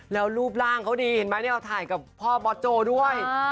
แล้วรูปร่างเขาดีเห็นไหมเนี่ยเราถ่ายกับพ่อบอสโจด้วย